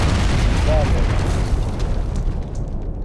ایندا بھےۡ مہ ہینسِلوۡ دےۡ